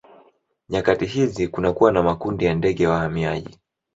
Nyakati hizi kunakuwa na makundi ya ndege wahamiaji